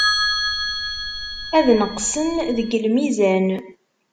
Ad neqseɣ deg lmizan.